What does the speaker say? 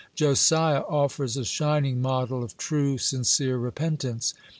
(113) Josiah offers a shining model of true, sincere repentance.